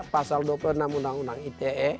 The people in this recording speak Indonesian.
pasal dua puluh enam undang undang ite